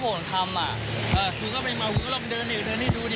คุณก็ไปมาคุณก็ลองเดิน